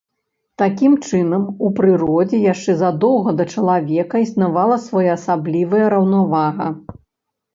Такім чынам, у прыродзе яшчэ задоўга да чалавека існавала своеасаблівая раўнавага.